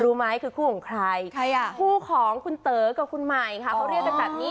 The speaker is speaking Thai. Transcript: รู้ไหมคือคู่ของใครใครอ่ะคู่ของคุณเต๋อกับคุณหมายเพื่อนค่ะ